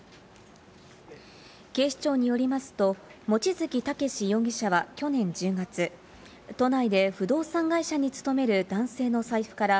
警視庁によりますと、望月健志容疑者は去年１０月、都内で不動産会社に勤める男性の財布から